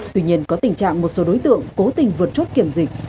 tuy nhiên có tình trạng một số đối tượng cố tình vượt chốt kiểm dịch